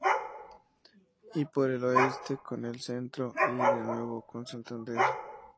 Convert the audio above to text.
Y por el oeste, con la Centro y de nuevo con Santander.